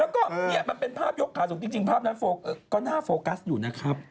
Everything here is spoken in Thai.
แล้วก็เนี่ยมันเป็นภาพยกขาสูงจริงภาพนั้นก็น่าโฟกัสอยู่นะครับ